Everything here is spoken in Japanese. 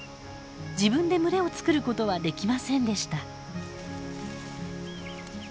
自分で群れを作ることはできませんでした。